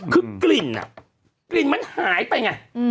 คือกลิ่นกลิ่นมันหายไปไง